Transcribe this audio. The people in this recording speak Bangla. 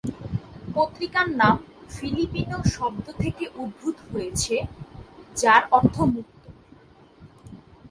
পত্রিকার নাম ফিলিপিনো শব্দ থেকে উদ্ভূত হয়েছিল যার অর্থ "মুক্ত"।